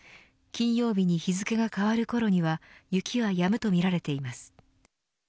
金曜日に日付が変わるころには雪は止むとみられています。